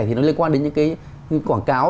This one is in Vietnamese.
thì nó liên quan đến những cái quảng cáo